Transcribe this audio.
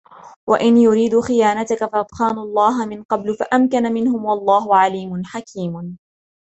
وإن يريدوا خيانتك فقد خانوا الله من قبل فأمكن منهم والله عليم حكيم